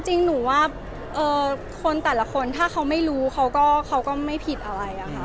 จริงหนูว่าคนแต่ละคนถ้าเขาไม่รู้เขาก็ไม่ผิดอะไรอะค่ะ